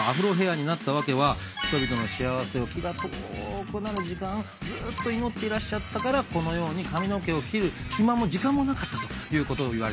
人々の幸せを気が遠くなる時間ずっと祈っていらっしゃったからこのように髪の毛を切る暇も時間もなかったということをいわれております。